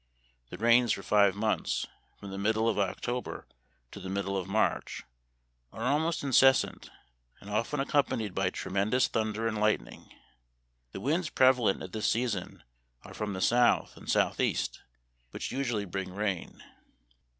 The rains for five months — from the middle of October to the middle ot March — are almost incessant, and often accompanied by tremendous thunder and lightning. The winds prevalent at this season are from the south and south east, which usually bring rain.